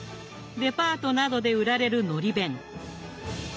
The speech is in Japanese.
デパートなどで売られるのり弁。